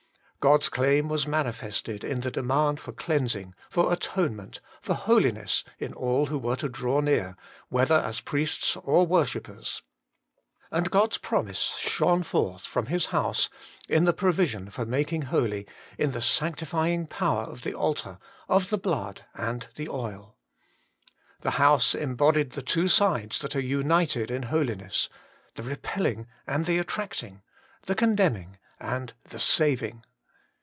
God's claim was manifested in the demand for cleansing, for atonement, for holiness, in all who were to draw near, whether as priests or worshippers. And God's promise shone forth from His house in the provision for making holy, in the sanctifying power of the altar, of the blood and the oil. The HOLINESS AND INDWELLING. 75 house embodied the two sides that are united in holiness, the repelling and the attracting, the con demning and the saving.